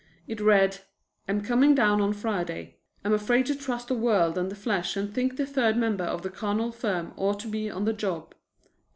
It read: "Am coming down on Friday. Am afraid to trust the world and the flesh and think the third member of the carnal firm ought to be on the job.